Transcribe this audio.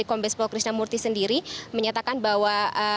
kombes polkris namurti sendiri menyatakan bahwa